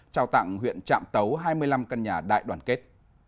trao tặng huyện trạm tấu hai mươi năm căn nhà đại đoàn kết